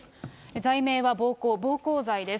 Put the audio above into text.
罪名は暴行、暴行罪です。